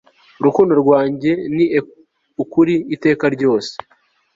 urukundo rwanjye ni ukuri iteka ryose